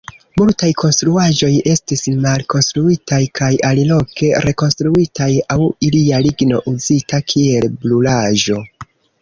Multaj konstruaĵoj estis malkonstruitaj kaj aliloke rekonstruitaj aŭ ilia ligno uzita kiel brulaĵo.